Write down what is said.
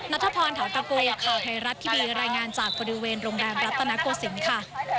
นัทพรถางตะโกข่าวไทยรัฐทีวีรายงานจากบริเวณโรงแรมรัตนโกศิลป์ค่ะ